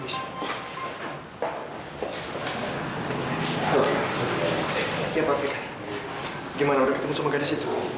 iya pak fikar gimana udah ketemu sama gadis itu